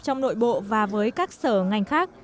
trong nội bộ và với các sở ngành khác